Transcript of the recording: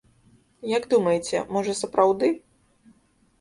Як думаеце, можа, сапраўды?